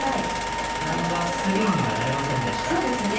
ナンバースリーにはなれませんでした。